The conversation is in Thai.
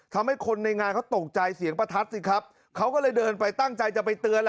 ทำให้คนในงานเขาตกใจเสียงประทัดสิครับเขาก็เลยเดินไปตั้งใจจะไปเตือนแหละ